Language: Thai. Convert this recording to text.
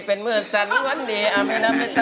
ผาเขารียร่าย